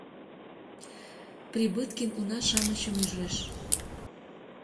— Прибыткин уна-шамычым ӱжеш.